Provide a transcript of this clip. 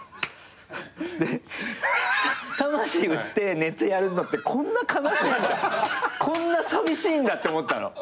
で魂売ってネタやるのってこんな悲しいんだこんなさみしいんだって思ったの。